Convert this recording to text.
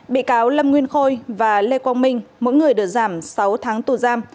bị cáo lâm nguyên khôi và lê quang minh mỗi người được giảm sáu tháng tù giam